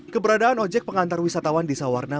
keberadaan ojek pengantar wisatawan di sawarna